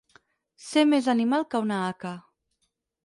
Ser més animal que una haca.